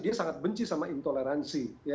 dia sangat benci sama intoleransi